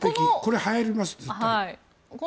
これはやります。